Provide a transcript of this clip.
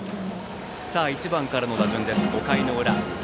１番からの打順です、５回の裏。